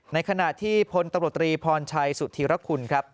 ในขณะที่พลตำรวจตรีพรชัยสุธีรคุณครับ